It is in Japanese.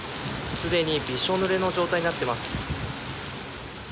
既にびしょぬれの状態になっています。